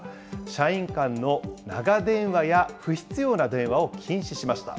社員間の長電話や不必要な電話を禁止しました。